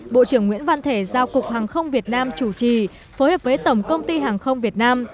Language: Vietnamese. bộ trưởng nguyễn văn thể giao cục hàng không việt nam chủ trì phối hợp với tổng công ty hàng không việt nam